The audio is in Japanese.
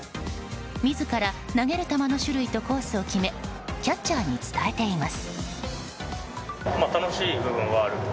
自ら投げる球の種類とコースを決めキャッチャーに伝えています。